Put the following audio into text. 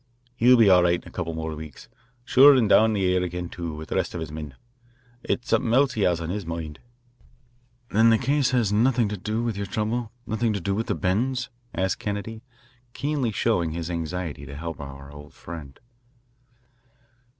He'll be all right in a couple more weeks, sure, an' down in the air again, too, with the rest of his men. It's somethin' else he has on his moind." "Then the case has nothing to do with your trouble, nothing to do with the bends?" asked Kennedy, keenly showing his anxiety to help our old friend.